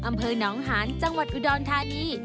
อำเภอหนองหานจังหวัดอุดรธานี